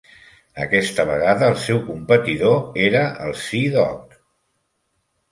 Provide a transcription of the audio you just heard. Aquesta vegada el seu competidor era el "Sea Dog".